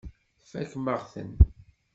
Tfakem-aɣ-ten.